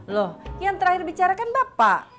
loh yang terakhir bicara kan bapak